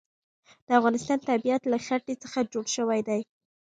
د افغانستان طبیعت له ښتې څخه جوړ شوی دی.